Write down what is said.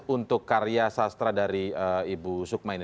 untuk karya sastra dari ibu sukma ini